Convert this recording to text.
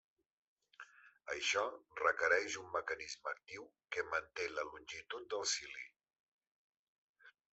Això requereix un mecanisme actiu que manté la longitud del cili.